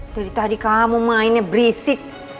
dari tadi kamu mainnya berisik